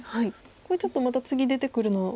これちょっとまた次出てくるのは。